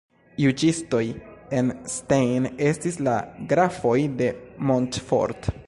Juĝistoj en Stein estis la "Grafoj de Montfort".